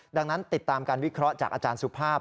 ดังนั้นติดตามการวิเคราะห์จากอาจารย์สุภาพ